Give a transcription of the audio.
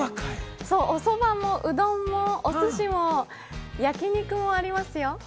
おそばもうどんもお寿司も焼肉もありますよ。